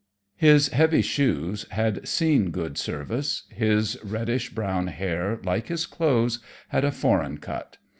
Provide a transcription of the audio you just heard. His heavy shoes had seen good service. His reddish brown hair, like his clothes, had a foreign cut.